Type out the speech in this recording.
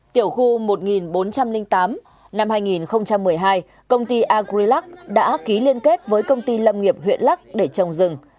tiểu khu một bốn trăm linh tám năm hai nghìn một mươi hai công ty agrilac đã ký liên kết với công ty lâm nghiệp huyện lắc để trồng rừng